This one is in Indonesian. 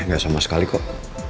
gak sama sekali kok